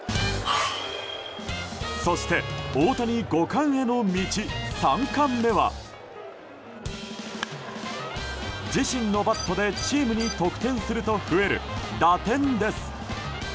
そして、大谷５冠への道３冠目は自身のバットでチームに得点すると増える打点です。